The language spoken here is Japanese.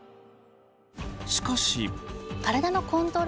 しかし。